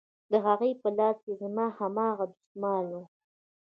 د هغې په لاس کښې زما هماغه دسمال و.